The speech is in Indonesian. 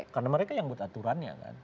karena mereka yang buat aturannya kan